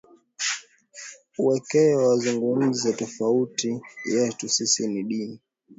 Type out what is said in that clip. u wakae wazungumuze tofauti yetu sisi ni ndini